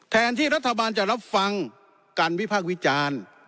แทนที่รัฐบาลจะรับฟังการวิพากษ์วิจารณ์